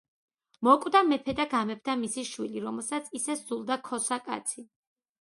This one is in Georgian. მოკვდა მეფე და გამეფდა მისი შვილი, რომელსაც ისე სძულდა ქოსა კაცი,